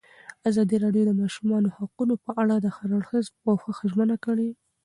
ازادي راډیو د د ماشومانو حقونه په اړه د هر اړخیز پوښښ ژمنه کړې.